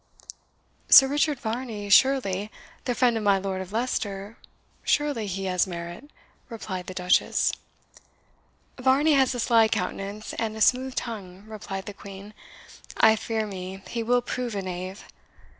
"Sir Richard Varney, surely the friend of my Lord of Leicester surely he has merit," replied the Duchess. "Varney has a sly countenance and a smooth tongue," replied the Queen; "I fear me he will prove a knave.